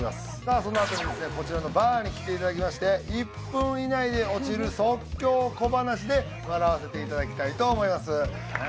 そのあとにこちらのバーに来ていただきまして１分以内でオチる即興小話で笑わせていただきたいと思いますねえ